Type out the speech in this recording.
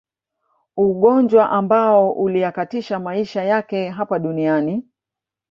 Ugonjwa ambao uliyakatisha maisha yake hapa duniani